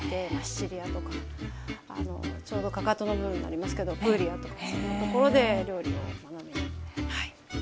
シチリアとかちょうどかかとの部分になりますけどプーリアとかそういうところで料理を学びにはい。